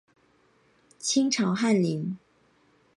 清朝翰林。